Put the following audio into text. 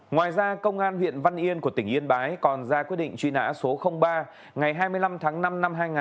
ngoài ra công an huyện văn yên của tỉnh yên bái còn ra quyết định truy nã số ba ngày hai mươi năm tháng năm năm hai nghìn một mươi ba